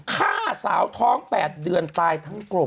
ฆ่าสาวท้อง๘เดือนตายทั้งกลม